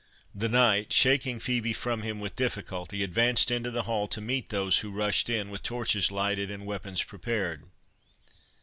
The knight, shaking Phœbe from him with difficulty, advanced into the hall to meet those who rushed in, with torches lighted and weapons prepared.